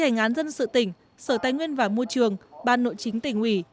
ngán dân sự tỉnh sở tài nguyên và môi trường ban nội chính tỉnh ủy